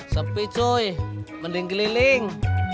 sepi cuy mending keliling